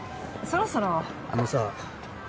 そろそろあのさ